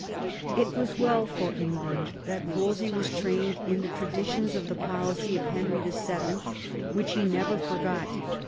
It was well for England that Wolsey was trained in the traditions of the policy of Henry VH., which he never forgot.